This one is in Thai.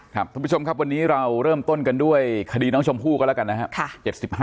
ท่านผู้ชมครับวันนี้เราเริ่มต้นกันด้วยคดีน้องชมพู่กันแล้วกันนะครับ